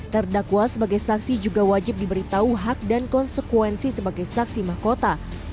terdakwa sebagai saksi juga wajib diberitahu hak dan konsekuensi sebagai saksi mahkota